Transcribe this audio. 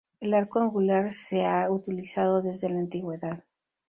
El arco angular se ha utilizado desde la antigüedad.